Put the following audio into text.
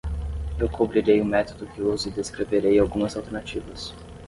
Eu cobrirei o método que uso e descreverei algumas alternativas.